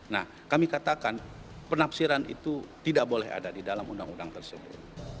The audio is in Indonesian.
nah kami katakan penafsiran itu tidak boleh ada di dalam undang undang tersebut